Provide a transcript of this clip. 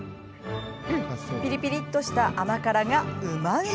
ピリピリっとした甘辛がうまうま。